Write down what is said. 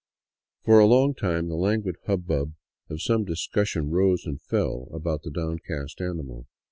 For a long time the languid hubbub of some dis cussion rose and fell about the downcast animal.